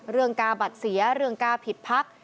เรื่องกาบัตรเสียเรื่องกาผิดภักดิ์